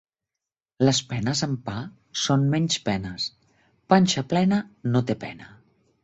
Les penes amb pa són menys penes. Panxa plena no té pena